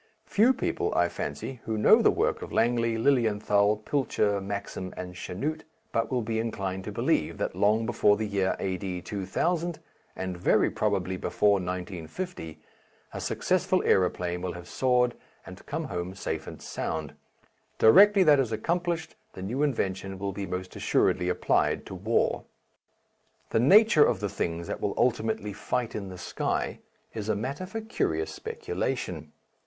Few people, I fancy, who know the work of Langley, Lilienthal, Pilcher, Maxim, and Chanute, but will be inclined to believe that long before the year A.D. 2000, and very probably before 1950, a successful aeroplane will have soared and come home safe and sound. Directly that is accomplished the new invention will be most assuredly applied to war. The nature of the things that will ultimately fight in the sky is a matter for curious speculation.